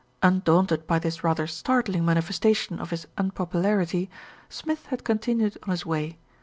Undaunted by this rather startling manifestation of his unpopularity, Smith had continued on his way.